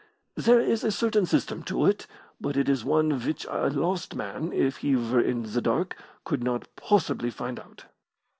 There is a certain system to it, but it is one which a lost man, if he were in the dark, could not possibly find out.